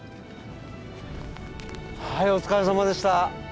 はいお疲れさまでした。